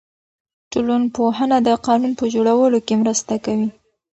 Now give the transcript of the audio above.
ټولنپوهنه د قانون په جوړولو کې مرسته کوي.